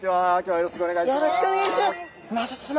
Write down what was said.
よろしくお願いします。